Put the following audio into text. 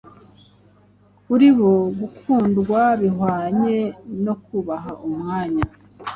kuri bo gukundwa bihwanye no kubaha umwanya